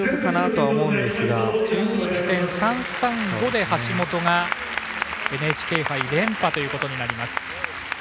１１．３３５で橋本がＮＨＫ杯連覇となります。